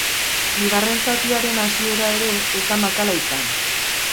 Bigarren zatiaren hasiera ere ez da makala izan.